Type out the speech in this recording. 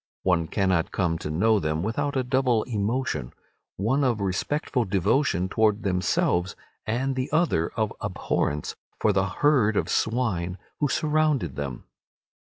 One cannot come to know them without a double emotion, one of respectful devotion towards themselves, and the other of abhorrence for the herd of swine who surrounded them.